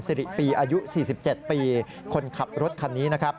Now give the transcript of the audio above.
สิริปีอายุ๔๗ปีคนขับรถคันนี้